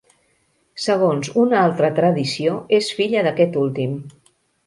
Segons una altra tradició és filla d'aquest últim.